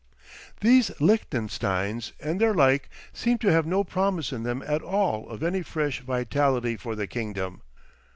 These Lichtensteins and their like seem to have no promise in them at all of any fresh vitality for the kingdom.